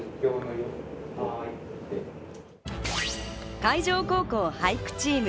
海城高校俳句チーム。